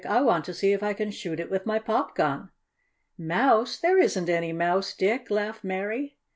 "I want to see if I can shoot it with my pop gun." "Mouse? There isn't any mouse, Dick!" laughed Mary.